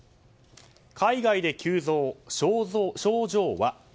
海外で急増、症状は？